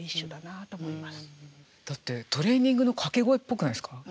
だってトレーニングの掛け声っぽくないですか？